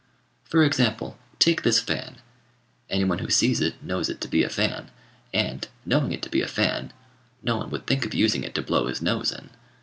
For example, take this fan: any one who sees it knows it to be a fan; and, knowing it to be a fan, no one would think of using it to blow his nose in.